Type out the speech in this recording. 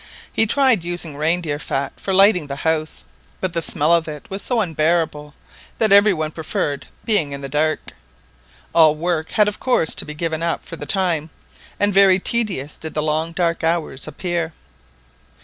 He tried using reindeer fat for lighting the house, but the smell of it was so unbearable that every one preferred being in the dark. All work had of course to be given up for the time, and very tedious did the long dark hours appear.